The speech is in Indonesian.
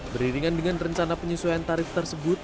beriringan dengan rencana penyesuaian tarif tersebut